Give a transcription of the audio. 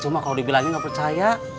cuma kalau dibilangnya nggak percaya